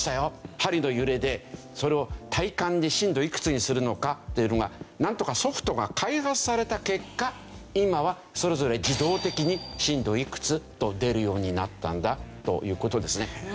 針の揺れでそれを体感で震度いくつにするのかっていうのがなんとかソフトが開発された結果今はそれぞれ自動的に震度いくつと出るようになったんだという事ですね。